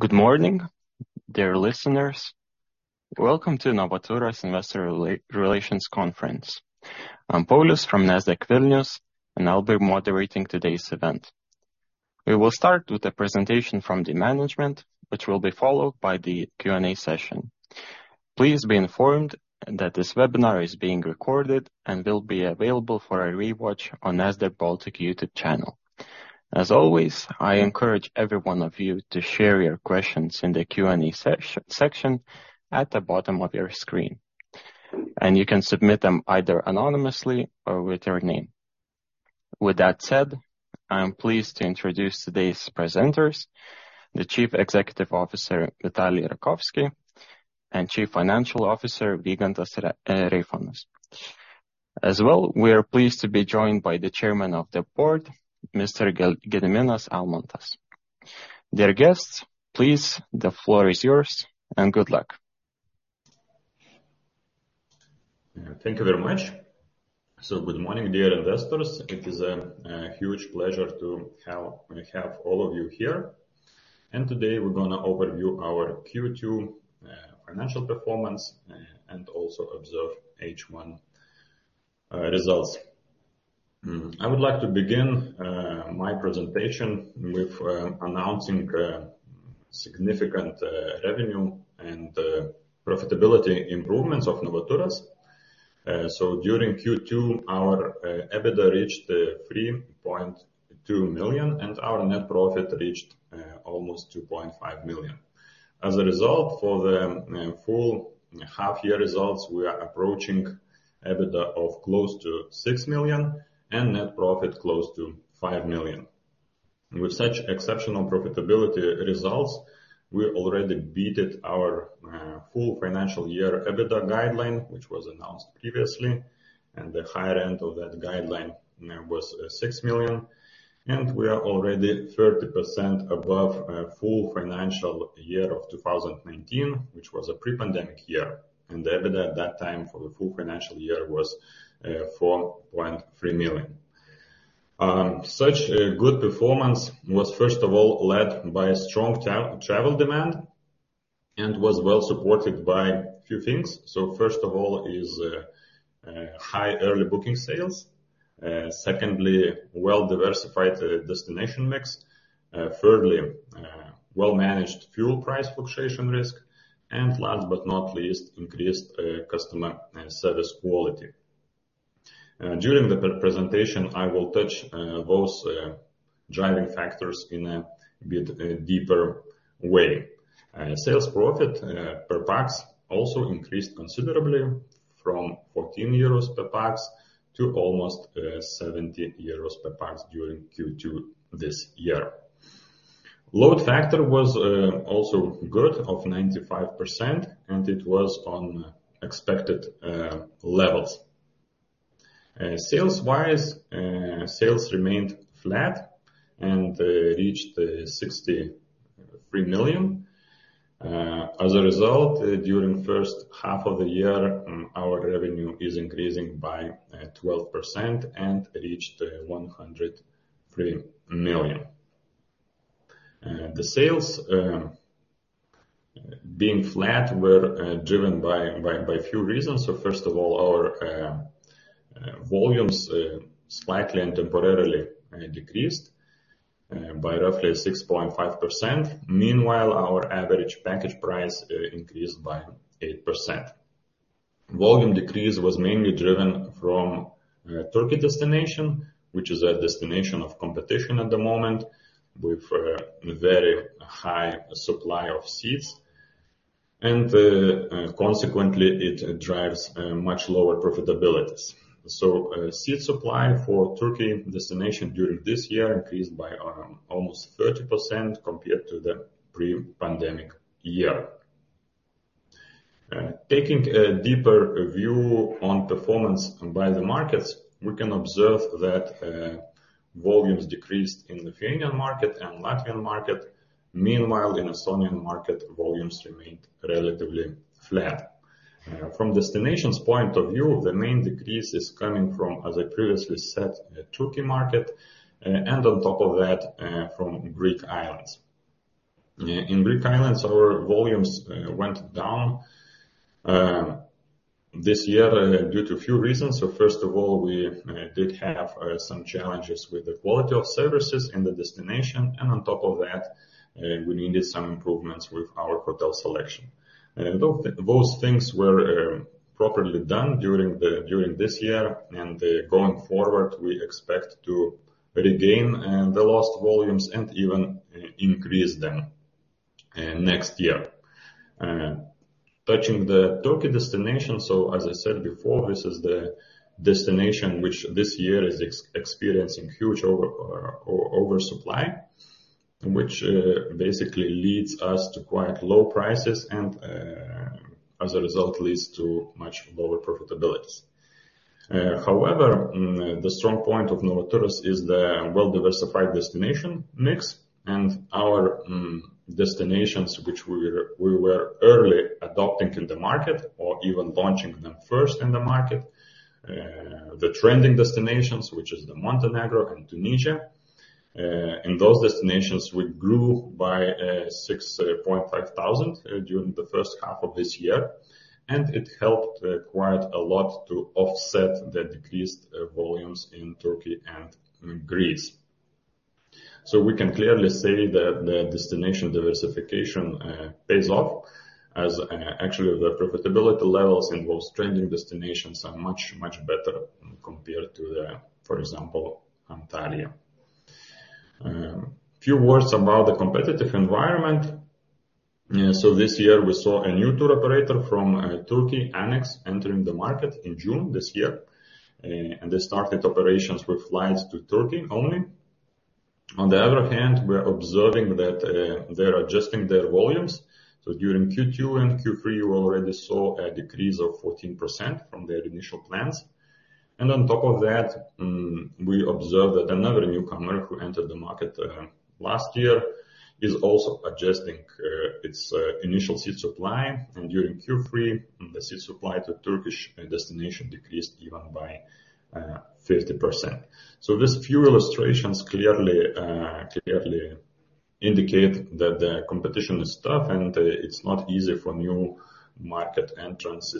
Good morning, dear listeners. Welcome to Novaturas Investor Relations Conference. I'm Paulius from Nasdaq Vilnius, and I'll be moderating today's event. We will start with a presentation from the management, which will be followed by the Q&A session. Please be informed that this webinar is being recorded and will be available for a rewatch on Nasdaq Baltic YouTube channel. As always, I encourage every one of you to share your questions in the Q&A section at the bottom of your screen, and you can submit them either anonymously or with your name. With that said, I'm pleased to introduce today's presenters, the Chief Executive Officer, Vitalij Rakovski, and Chief Financial Officer, Vygantas Reifonas. As well, we are pleased to be joined by the Chairman of the Board, Mr. Gediminas Almantas. Dear guests, please, the floor is yours, and good luck. Thank you very much. Good morning, dear investors. It is a huge pleasure to have all of you here. Today, we're gonna overview our Q2 financial performance and also observe H1 results. I would like to begin my presentation with announcing significant revenue and profitability improvements of Novaturas. So during Q2, our EBITDA reached 3.2 million, and our net profit reached almost 2.5 million. As a result, for the full half-year results, we are approaching EBITDA of close to 6 million and net profit close to 5 million. With such exceptional profitability results, we already beated our full financial year EBITDA guideline, which was announced previously, and the higher end of that guideline was 6 million. And we are already 30% above our full financial year of 2019, which was a pre-pandemic year, and the EBITDA at that time for the full financial year was 4.3 million. Such a good performance was, first of all, led by a strong travel demand and was well supported by a few things. So first of all is high early booking sales. Secondly, well-diversified destination mix. Thirdly, well-managed fuel price fluctuation risk, and last but not least, increased customer service quality. During the presentation, I will touch those driving factors in a bit deeper way. Sales profit per pax also increased considerably from 14 euros per pax to almost 70 euros per pax during Q2 this year. Load factor was also good of 95%, and it was on expected levels. Sales-wise, sales remained flat and reached 63 million. As a result, during first half of the year, our revenue is increasing by 12% and reached 103 million. The sales being flat were driven by a few reasons. So first of all, our volumes slightly and temporarily decreased by roughly 6.5%. Meanwhile, our average package price increased by 8%. Volume decrease was mainly driven from Turkey destination, which is a destination of competition at the moment with a very high supply of seats, and consequently, it drives much lower profitabilities. So, seat supply for Turkey destination during this year increased by almost 30% compared to the pre-pandemic year. Taking a deeper view on performance by the markets, we can observe that volumes decreased in Lithuanian market and Latvian market. Meanwhile, in Estonian market, volumes remained relatively flat. From destination's point of view, the main decrease is coming from, as I previously said, Turkey market, and on top of that, from Greek Islands. In Greek Islands, our volumes went down this year due to a few reasons. So first of all, we did have some challenges with the quality of services in the destination, and on top of that, we needed some improvements with our hotel selection. Those things were properly done during this year, and going forward, we expect to regain the lost volumes and even increase them next year. Touching the Turkey destination, so as I said before, this is the destination which this year is experiencing huge oversupply, which basically leads us to quite low prices and as a result, leads to much lower profitabilities. However, the strong point of Novaturas is the well-diversified destination mix and our destinations which we were early adopting in the market or even launching them first in the market. The trending destinations, which is the Montenegro and Tunisia-... In those destinations, we grew by 6,500 during the first half of this year, and it helped quite a lot to offset the decreased volumes in Turkey and in Greece. So we can clearly say that the destination diversification pays off, as actually, the profitability levels in those trending destinations are much, much better compared to the, for example, Antalya. Few words about the competitive environment. So this year we saw a new tour operator from Turkey, Anex, entering the market in June this year, and they started operations with flights to Turkey only. On the other hand, we are observing that they're adjusting their volumes. So during Q2 and Q3, we already saw a decrease of 14% from their initial plans. On top of that, we observed that another newcomer who entered the market last year is also adjusting its initial seat supply. During Q3, the seat supply to Turkish destination decreased even by 50%. So these few illustrations clearly indicate that the competition is tough, and it's not easy for new market entrants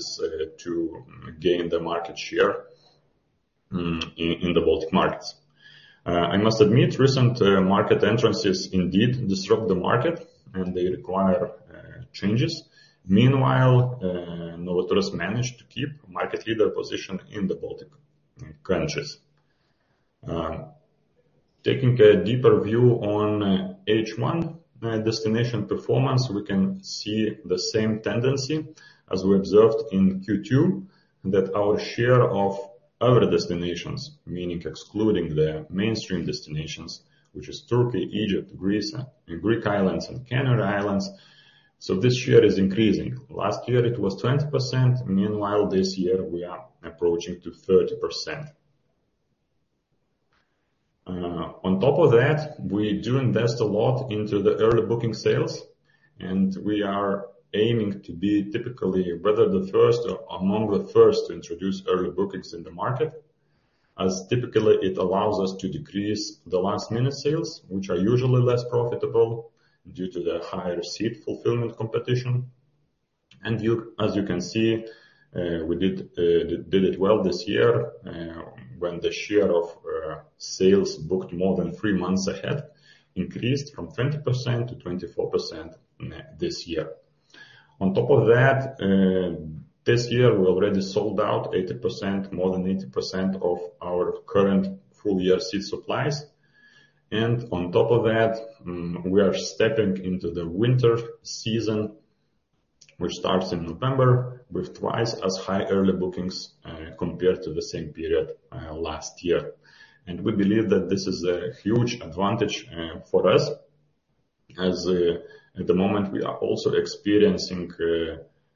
to gain the market share in the Baltic markets. I must admit, recent market entrants indeed disrupt the market, and they require changes. Meanwhile, Novaturas managed to keep market leader position in the Baltic countries. Taking a deeper view on H1 destination performance, we can see the same tendency as we observed in Q2, that our share of other destinations, meaning excluding the mainstream destinations, which is Turkey, Egypt, Greece, and Greek Islands, and Canary Islands. So this year is increasing. Last year it was 20%. Meanwhile, this year, we are approaching to 30%. On top of that, we do invest a lot into the early booking sales, and we are aiming to be typically, whether the first or among the first to introduce early bookings in the market, as typically, it allows us to decrease the last-minute sales, which are usually less profitable due to the higher seat fulfillment competition. And as you can see, we did it well this year, when the share of sales booked more than three months ahead increased from 20% to 24% this year. On top of that, this year, we already sold out 80%, more than 80% of our current full-year seat supplies. And on top of that, we are stepping into the winter season, which starts in November, with twice as high early bookings, compared to the same period, last year. And we believe that this is a huge advantage, for us, as at the moment, we are also experiencing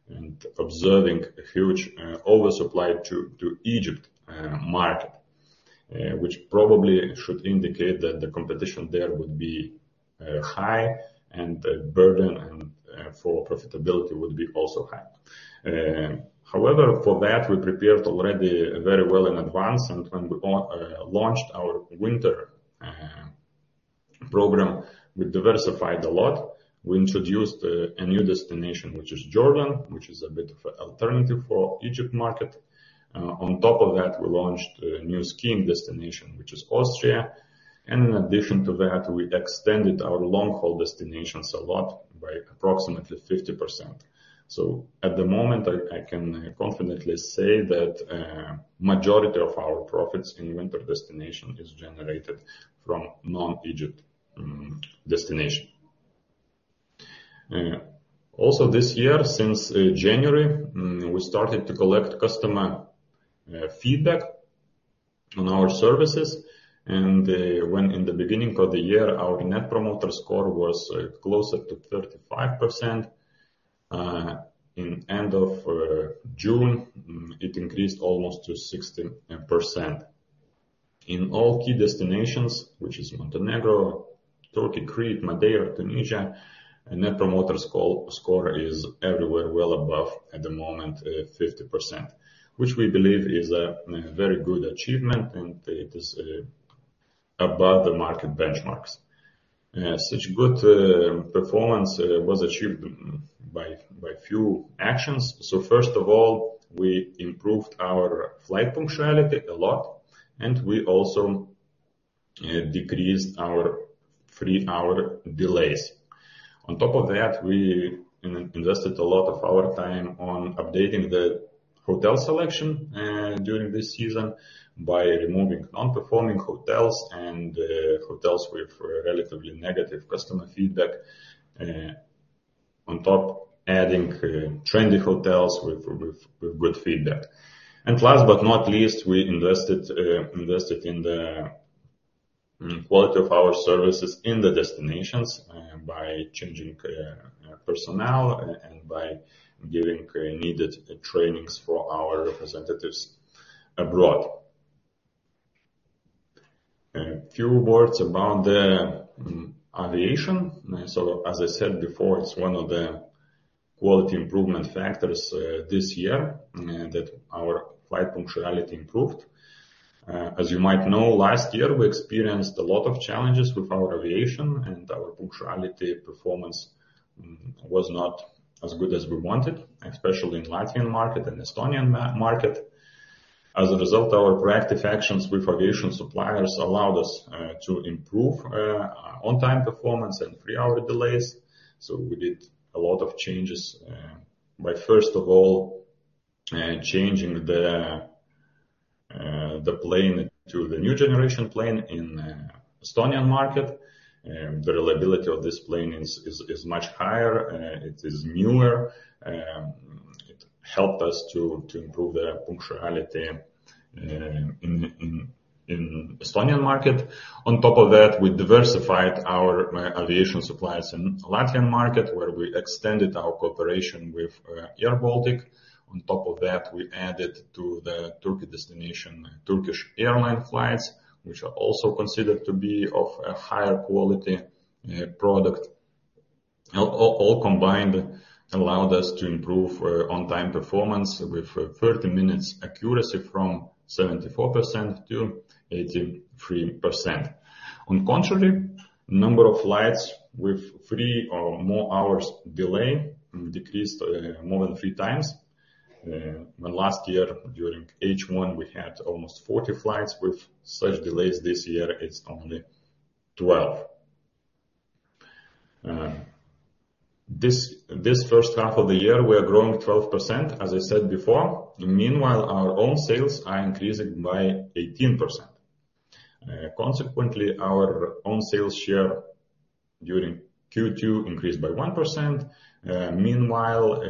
and observing a huge oversupply to the Egypt market. Which probably should indicate that the competition there would be high and the burden and for profitability would be also high. However, for that, we prepared already very well in advance, and when we launched our winter program, we diversified a lot. We introduced a new destination, which is Jordan, which is a bit of an alternative for Egypt market. On top of that, we launched a new skiing destination, which is Austria, and in addition to that, we extended our long-haul destinations a lot by approximately 50%. So at the moment, I can confidently say that majority of our profits in winter destination is generated from non-Egypt destination. Also this year, since January, we started to collect customer feedback on our services, and when in the beginning of the year, our Net Promoter Score was closer to 35%, in end of June, it increased almost to 60%. In all key destinations, which is Montenegro, Turkey, Crete, Madeira, Tunisia, Net Promoter Score is everywhere well above, at the moment, 50%. Which we believe is a very good achievement, and it is above the market benchmarks. Such good performance was achieved by few actions. So first of all, we improved our flight punctuality a lot, and we also decreased our three-hour delays. On top of that, we invested a lot of our time on updating the hotel selection during this season by removing non-performing hotels and hotels with relatively negative customer feedback. On top, adding trendy hotels with good feedback. And last but not least, we invested in the quality of our services in the destinations by changing personnel and by giving needed trainings for our representatives abroad. A few words about the aviation. So as I said before, it's one of the quality improvement factors this year that our flight punctuality improved. As you might know, last year, we experienced a lot of challenges with our aviation, and our punctuality performance was not as good as we wanted, especially in Latvian market and Estonian market. As a result, our proactive actions with aviation suppliers allowed us to improve our On-Time Performance and three-hour delays. So we did a lot of changes by first of all changing the plane to the new generation plane in Estonian market. The reliability of this plane is much higher. It is newer. It helped us to improve the punctuality in Estonian market. On top of that, we diversified our aviation suppliers in Latvian market, where we extended our cooperation with airBaltic. On top of that, we added to the Turkey destination, Turkish Airlines flights, which are also considered to be of a higher quality, product. All, all, all combined allowed us to improve on-time performance with 30 minutes accuracy from 74% to 83%. On contrary, number of flights with three or more hours delay decreased more than three times. When last year, during H1, we had almost 40 flights with such delays. This year, it's only 12. This first half of the year, we are growing 12%, as I said before. Meanwhile, our own sales are increasing by 18%. Consequently, our own sales share during Q2 increased by 1%. Meanwhile,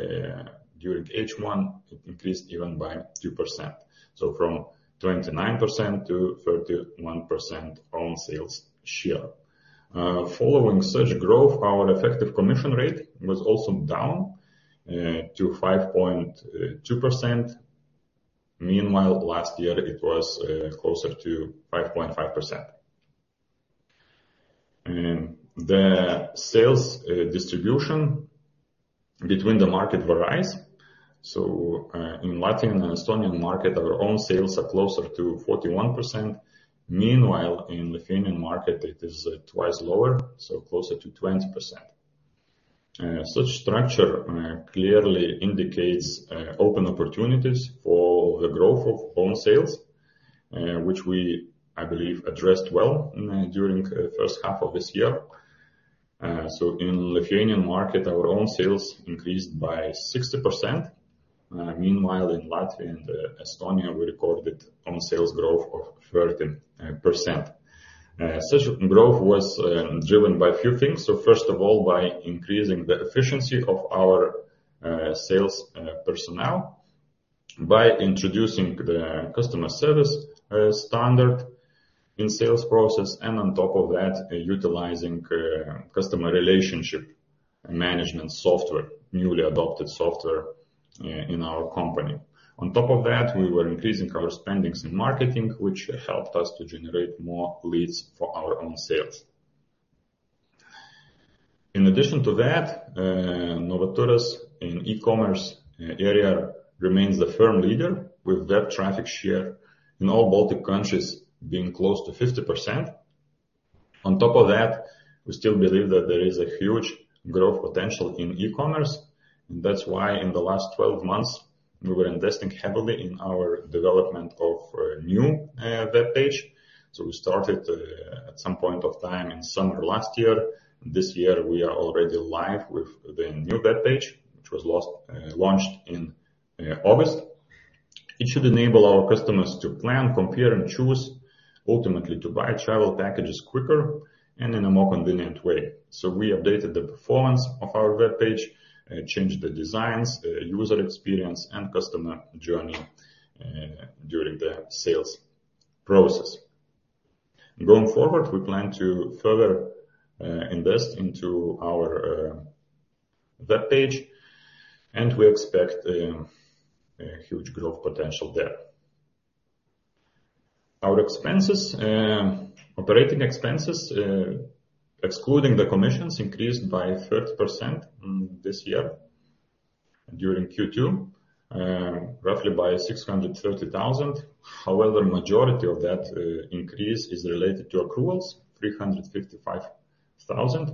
during H1, it increased even by 2%, so from 29% to 31% own sales share. Following such growth, our effective commission rate was also down to 5.2%. Meanwhile, last year, it was closer to 5.5%. The sales distribution between the market varies. So, in Latvian and Estonian market, our own sales are closer to 41%. Meanwhile, in Lithuanian market, it is twice lower, so closer to 20%. Such structure clearly indicates open opportunities for the growth of own sales, which we, I believe, addressed well during the first half of this year. So in Lithuanian market, our own sales increased by 60%. Meanwhile, in Latvia and Estonia, we recorded own sales growth of 13%. Such growth was driven by a few things. So first of all, by increasing the efficiency of our sales personnel, by introducing the customer service standard in sales process, and on top of that, utilizing customer relationship and management software, newly adopted software, in our company. On top of that, we were increasing our spending in marketing, which helped us to generate more leads for our own sales. In addition to that, Novaturas in e-commerce area remains the firm leader, with web traffic share in all Baltic countries being close to 50%. On top of that, we still believe that there is a huge growth potential in e-commerce. And that's why in the last twelve months, we were investing heavily in our development of a new web page. So we started at some point of time in summer last year. This year, we are already live with the new web page, which was launched in August. It should enable our customers to plan, compare, and choose, ultimately to buy travel packages quicker and in a more convenient way. So we updated the performance of our web page, changed the designs, the user experience, and customer journey, during the sales process. Going forward, we plan to further invest into our web page, and we expect a huge growth potential there. Our expenses, operating expenses, excluding the commissions, increased by 30%, this year during Q2, roughly by 630,000. However, majority of that increase is related to accruals. 355,000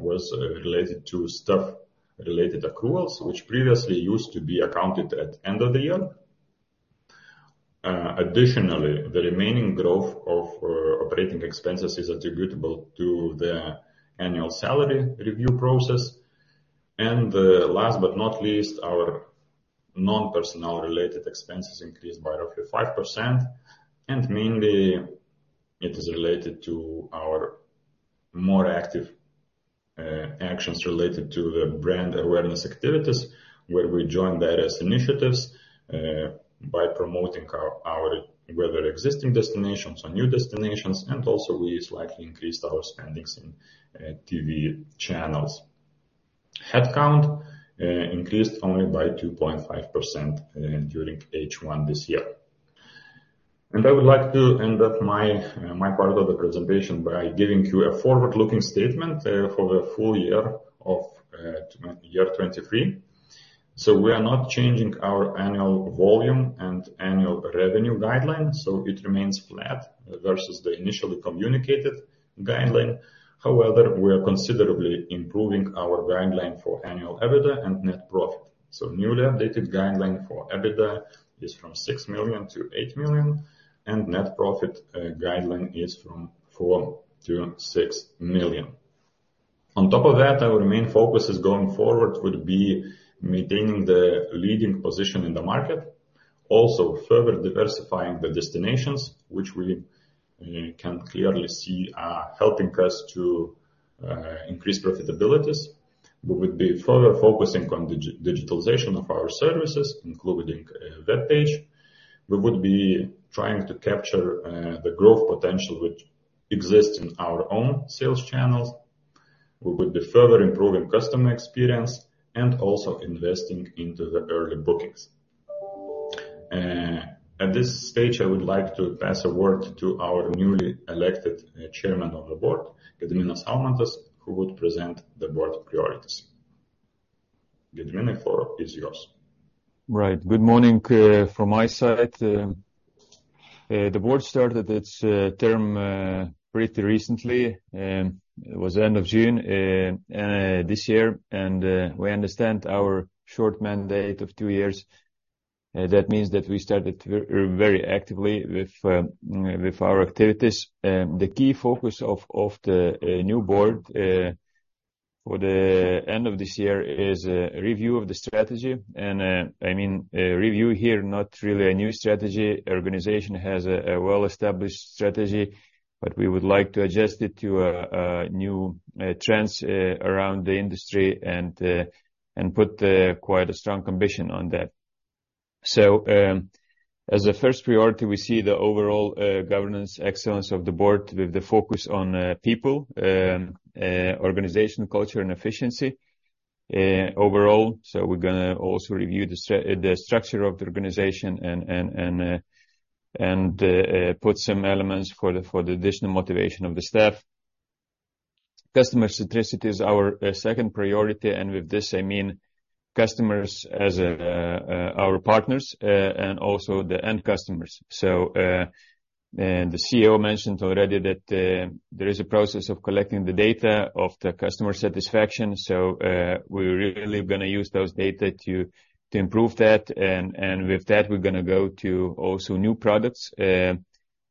was related to staff-related accruals, which previously used to be accounted at end of the year. Additionally, the remaining growth of operating expenses is attributable to the annual salary review process. Last but not least, our non-personnel related expenses increased by roughly 5%, and mainly it is related to our more active actions related to the brand awareness activities, where we joined various initiatives by promoting our, whether existing destinations or new destinations, and also we slightly increased our spendings in TV channels. Headcount increased only by 2.5% during H1 this year. I would like to end up my part of the presentation by giving you a forward-looking statement for the full year of 2023. We are not changing our annual volume and annual revenue guideline, so it remains flat versus the initially communicated guideline. However, we are considerably improving our guideline for annual EBITDA and net profit. So newly updated guideline for EBITDA is 6 million-8 million, and net profit guideline is 4 million-6 million. On top of that, our main focus going forward would be maintaining the leading position in the market, also further diversifying the destinations, which we can clearly see are helping us to increase profitabilities. We would be further focusing on digitalization of our services, including web page. We would be trying to capture the growth potential which exists in our own sales channels. We would be further improving customer experience and also investing into the early bookings. At this stage, I would like to pass a word to our newly elected Chairman of the Board, Gediminas Almantas, who would present the board priorities. Gediminas, the floor is yours. Right. Good morning, from my side. The board started its term pretty recently, it was the end of June, this year. And, we understand our short mandate of two years, that means that we started very actively with our activities. The key focus of the new board for the end of this year is a review of the strategy. And, I mean, review here, not really a new strategy. Organization has a well-established strategy, but we would like to adjust it to new trends around the industry and put quite a strong condition on that. So, as a first priority, we see the overall governance excellence of the board with the focus on people, organization, culture, and efficiency overall. So we're gonna also review the structure of the organization and put some elements for the additional motivation of the staff. Customer centricity is our second priority, and with this, I mean, customers as our partners and also the end customers. So, the CEO mentioned already that there is a process of collecting the data of the customer satisfaction, so we're really gonna use those data to improve that. And, with that, we're gonna go to also new products,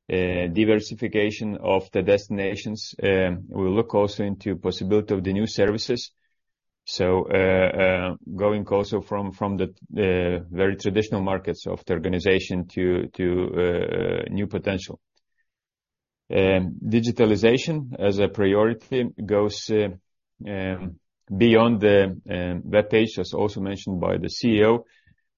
diversification of the destinations. We'll look also into possibility of the new services. So, going also from the very traditional markets of the organization to new potential. Digitalization as a priority goes beyond the web page, as also mentioned by the CEO.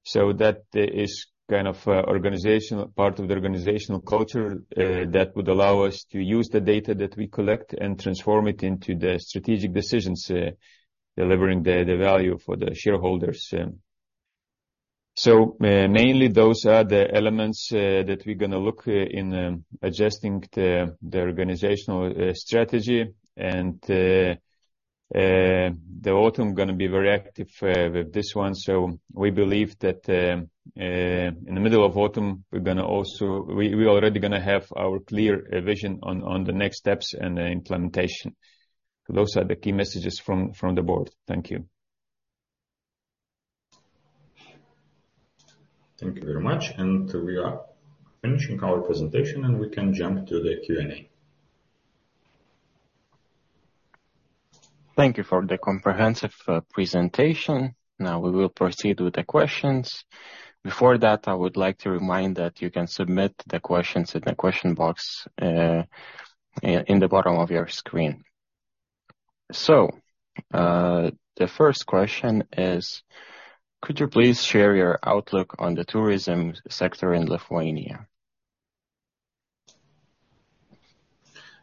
So that is kind of organizational part of the organizational culture that would allow us to use the data that we collect and transform it into the strategic decisions, delivering the value for the shareholders. So, mainly those are the elements that we're gonna look in adjusting the organizational strategy. And the autumn gonna be very active with this one. So we believe that in the middle of autumn, we're gonna also... We already gonna have our clear vision on the next steps and the implementation. Those are the key messages from the board. Thank you. Thank you very much, and we are finishing our presentation, and we can jump to the Q&A. Thank you for the comprehensive presentation. Now we will proceed with the questions. Before that, I would like to remind that you can submit the questions in the question box in the bottom of your screen. So, the first question is: Could you please share your outlook on the tourism sector in Lithuania?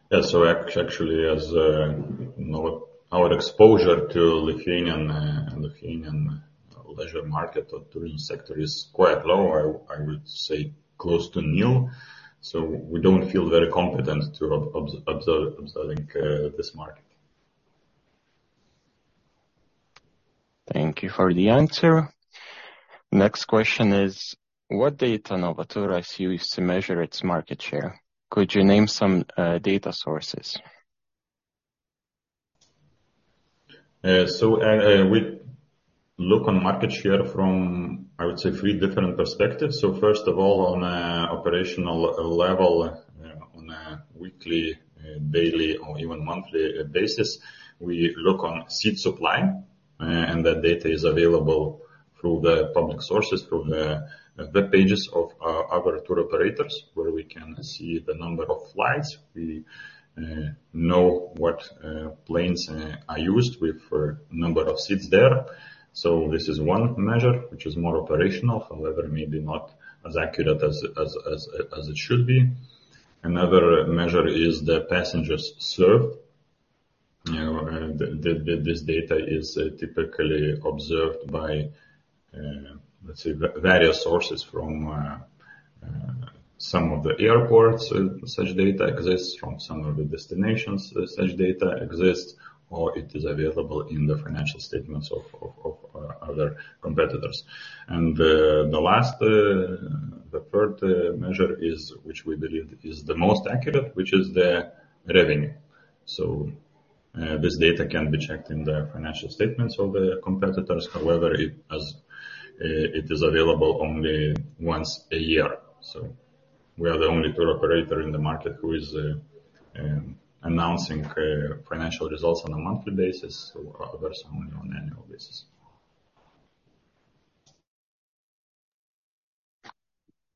Yeah. So actually, as you know, our exposure to Lithuanian leisure market or tourism sector is quite low. I would say close to nil, so we don't feel very confident to observing this market. Thank you for the answer. Next question is: What data Novaturas use to measure its market share? Could you name some data sources? So, we look on market share from, I would say, three different perspectives. So first of all, on a operational level, on a weekly, daily, or even monthly basis, we look on seat supply, and that data is available through the public sources, through the web pages of our tour operators, where we can see the number of flights. We know what planes are used with number of seats there. So this is one measure, which is more operational, however, maybe not as accurate as it should be. Another measure is the passengers served. You know, this data is typically observed by, let's say, various sources from some of the airports, such data exists, from some of the destinations, such data exists, or it is available in the financial statements of other competitors. The third measure, which we believe is the most accurate, is the revenue. This data can be checked in the financial statements of the competitors. However, it is available only once a year. We are the only tour operator in the market who is announcing financial results on a monthly basis, others only on annual basis.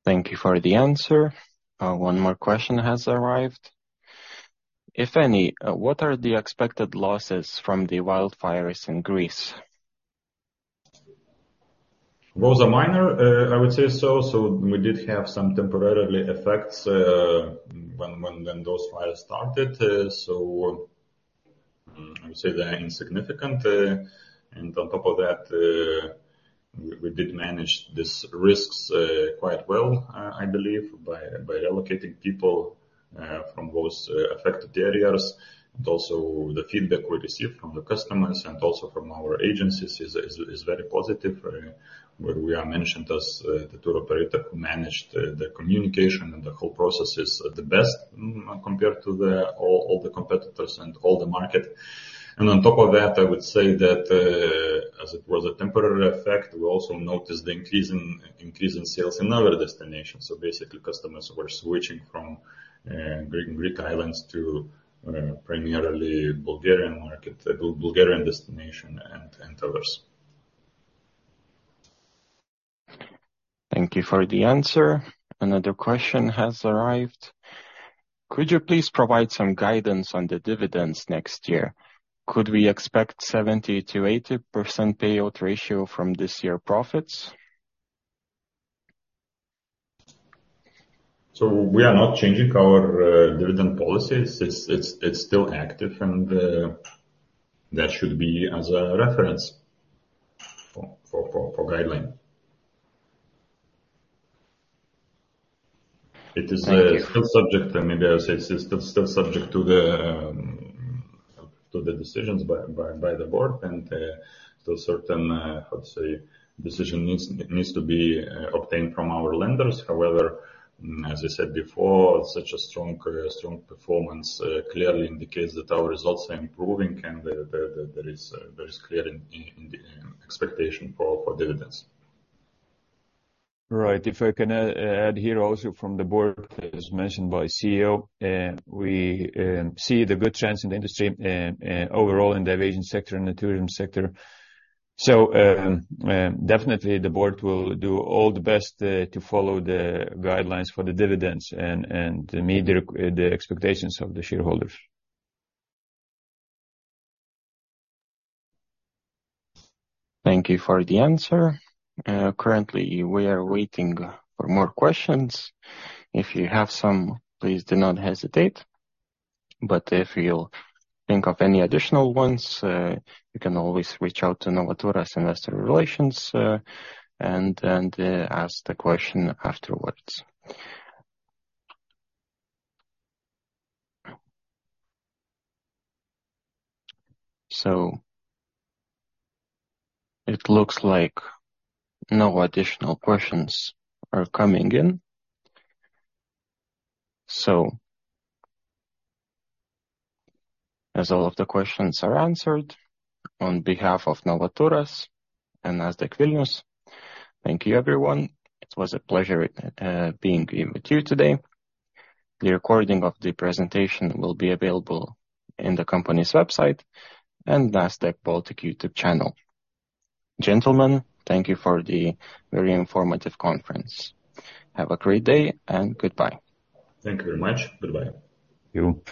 Thank you for the answer. One more question has arrived. If any, what are the expected losses from the wildfires in Greece? Those are minor, I would say so. So we did have some temporary effects, when those fires started. So I would say they are insignificant. And on top of that, we did manage these risks quite well, I believe, by allocating people from those affected areas. And also the feedback we received from the customers and also from our agencies is very positive, where we are mentioned as the tour operator who managed the communication and the whole processes the best, compared to all the competitors and all the market. And on top of that, I would say that, as it was a temporary effect, we also noticed the increase in sales in other destinations. So basically, customers were switching from Greek, Greek Islands to primarily Bulgarian market, Bulgarian destination and others. Thank you for the answer. Another question has arrived: Could you please provide some guidance on the dividends next year? Could we expect 70%-80% payout ratio from this year profits? So we are not changing our dividend policies. It's still active, and that should be as a reference for guideline. Thank you. It is still subject, and maybe I say it's still subject to the decisions by the board and to certain decisions that need to be obtained from our lenders. However, as I said before, such a strong performance clearly indicates that our results are improving, and there is clear expectation for dividends. Right. If I can add here also from the board, as mentioned by CEO, we see the good trends in the industry, overall in the aviation sector and the tourism sector. So, definitely, the board will do all the best to follow the guidelines for the dividends and meet the expectations of the shareholders. Thank you for the answer. Currently, we are waiting for more questions. If you have some, please do not hesitate, but if you'll think of any additional ones, you can always reach out to Novaturas Investor Relations, and ask the question afterwards. So it looks like no additional questions are coming in. So as all of the questions are answered, on behalf of Novaturas and Nasdaq Vilnius, thank you, everyone. It was a pleasure, being with you today. The recording of the presentation will be available in the company's website and Nasdaq Baltic YouTube channel. Gentlemen, thank you for the very informative conference. Have a great day, and goodbye. Thank you very much. Goodbye. Thank you.